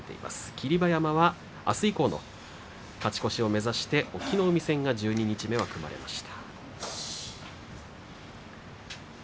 霧馬山はあす以降の勝ち越しを目指して隠岐の海戦が十二日目に組まれました。